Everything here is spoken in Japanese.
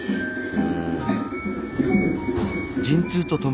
うん。